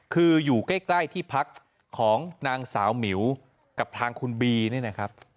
คืออยู่ใกล้ที่พักของนางสาวหมิวกับทางคุณบีนี่นะครับ